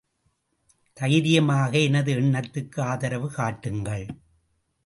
தைரியமாக எனது எண்ணத்துக்கு ஆதரவு காட்டுங்கள்.